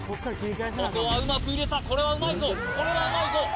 ここはうまく入れたこれはうまいぞこれはうまいぞ！